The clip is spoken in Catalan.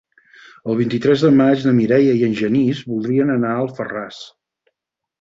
El vint-i-tres de maig na Mireia i en Genís voldrien anar a Alfarràs.